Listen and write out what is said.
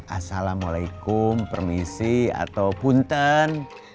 assalamualaikum permisi atau punten